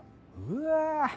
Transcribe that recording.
うわ。